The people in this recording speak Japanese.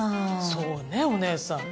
そうねお姉さん。